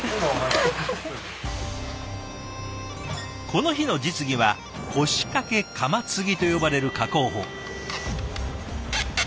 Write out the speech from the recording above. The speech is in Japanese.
この日の実技は腰掛け鎌継ぎと呼ばれる加工法。